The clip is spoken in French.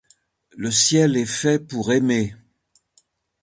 Le ciel est fait pour aimer.